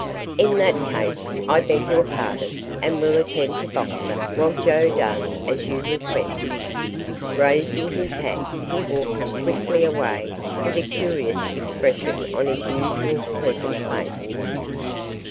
"In that case, I beg your pardon, and will attend to Boxer while Joe does as you request." Raising his hat he walked swiftly away with a curious expression on his usually pleasant face.